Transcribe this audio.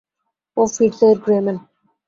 ও ফিটজের grey man.